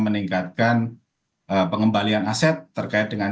meningkatkan pengembalian aset terkait dengan